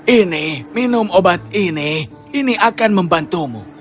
ini minum obat ini ini akan membantumu